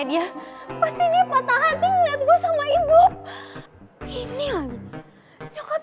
sampai jumpa di video selanjutnya